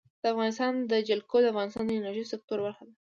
د افغانستان جلکو د افغانستان د انرژۍ سکتور برخه ده.